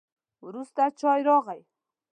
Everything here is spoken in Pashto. وروسته چای راغی.